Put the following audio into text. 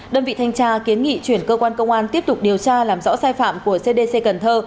đơn vị thanh tra kiến nghị chuyển cơ quan công an tiếp tục điều tra làm rõ sai phạm của cdc cần thơ